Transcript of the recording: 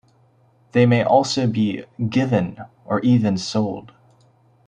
They may also be "given" or even sold.